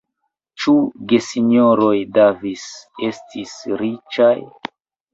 Ĉu gesinjoroj Davis estis riĉaj?